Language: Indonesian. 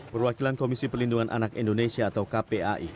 perwakilan komisi pelindungan anak indonesia atau kpai